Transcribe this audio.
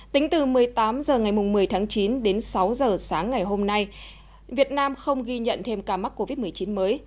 tính từ một mươi tám h ngày một mươi tháng chín đến sáu h sáng ngày hôm nay việt nam không ghi nhận thêm ca mắc covid một mươi chín mới